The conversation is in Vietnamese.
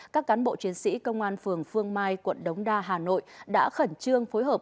các cán bộ chiến sĩ công an phường phương mai quận đống đa hà nội đã khẩn trương phối hợp